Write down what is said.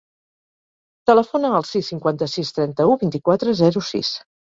Telefona al sis, cinquanta-sis, trenta-u, vint-i-quatre, zero, sis.